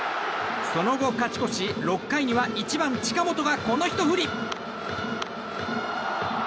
その後、勝ち越し６回には１番、近本がこのひと振り。